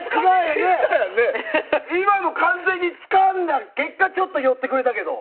ｌ今のは完全につかんだ結果ちょっと寄ってくれたけど。